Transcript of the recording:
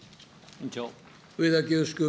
上田清司君。